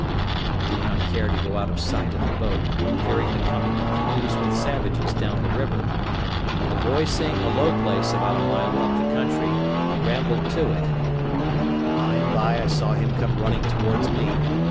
I did not care to go out of sight of the boat, fearing the coming of canoes with savages down the river; but the boy seeing a low place about a mile up the country, rambled to it, and by and by I saw him come running towards me.